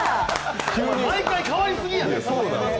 毎回、変わりすぎやねん。